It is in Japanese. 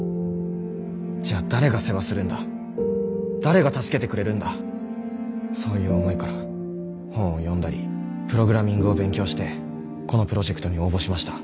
じゃあ誰が世話するんだ誰が助けてくれるんだそういう思いから本を読んだりプログラミングを勉強してこのプロジェクトに応募しました。